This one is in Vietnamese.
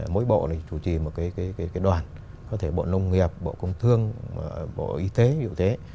mỗi bộ chủ trì một cái đoàn có thể bộ nông nghiệp bộ công thương bộ y tế dụ tế